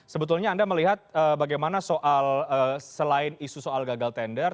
sebetulnya anda melihat bagaimana soal selain isu soal gagal tender